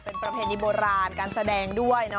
เป็นประเพณีโบราณการแสดงด้วย